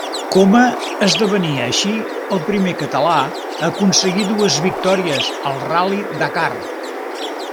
Coma esdevenia així el primer català a aconseguir dues victòries al Ral·li Dakar.